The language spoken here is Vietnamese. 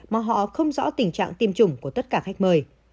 mà họ không rõ tình trạng tiêm chủng của tất cả khách mời